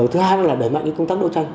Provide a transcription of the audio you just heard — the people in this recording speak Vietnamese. thứ hai là đẩy mạnh công tác đấu tranh